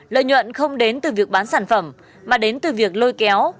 lợi nhuận không đến từ việc bán sản phẩm mà đến từ việc lôi kéo